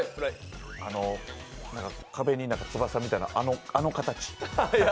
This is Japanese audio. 壁に翼みたいな、あの形。